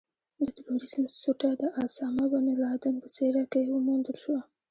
د ترورېزم سوټه د اسامه بن لادن په څېره کې وموندل شوه.